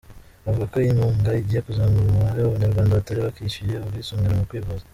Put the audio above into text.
Avuga ko iyi nkunga igiye kuzamura umubare w’Abanyarwanda batari bakishyuye ubwisungane mu kwivuza.